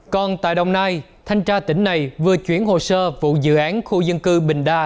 còn tại đồng nai thanh tra tỉnh này vừa chuyển hồ sơ vụ dự án khu dân cư bình đa